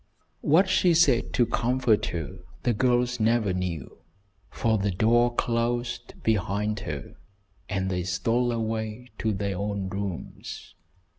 What she said to comfort her the girls never knew, for the door closed behind her and they stole away to their own rooms.